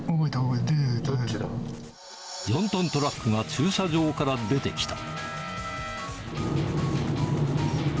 ４トントラックが駐車場から出てきた。